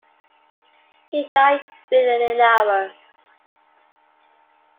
He died within an hour.